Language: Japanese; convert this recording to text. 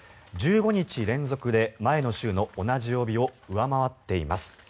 １５日連続で前の週の同じ曜日を上回っています。